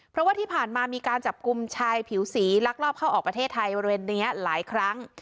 เพราะว่าที่ผ่านมามีการจับกลุ่มชายผิวสีลักลอบเข้าออกประเทศไทยบริเวณนี้หลายครั้ง